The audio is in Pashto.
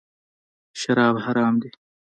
شراب حرام دي .